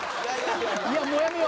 いや、もう、やめよ。